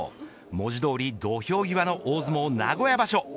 文字どおり土俵際の大相撲名古屋場所